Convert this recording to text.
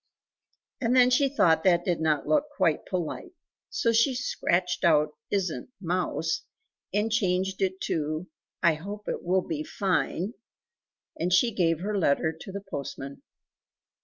And then she thought that did not look quite polite; so she scratched out "isn't mouse" and changed it to "I hope it will be fine," and she gave her letter to the postman.